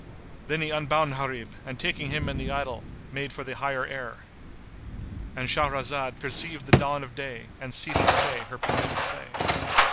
Then he unbound Gharib and taking him and the idol, made for the higher air.——And Shahrazad perceived the dawn of day and ceased to say her permitted say.